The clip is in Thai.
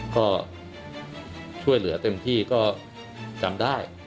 ก็ช่วยเหลือเต็มที่ก็จำได้